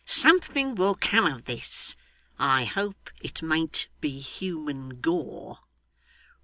'Something will come of this. I hope it mayn't be human gore!